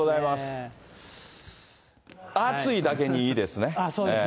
暑いだけにいいですね。